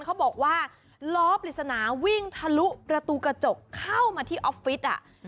เขาบอกว่าล้อปริศนาวิ่งทะลุประตูกระจกเข้ามาที่ออฟฟิศ